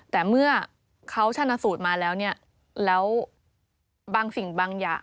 แต่เมื่อเขาชนะสูตรมาแล้วเนี่ยแล้วบางสิ่งบางอย่าง